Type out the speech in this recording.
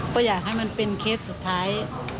ก็อยากให้มันเป็นเคสสุดท้าย